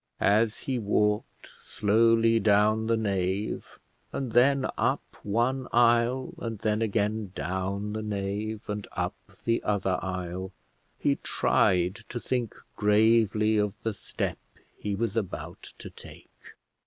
As he walked slowly down the nave, and then up one aisle, and then again down the nave and up the other aisle, he tried to think gravely of the step he was about to take.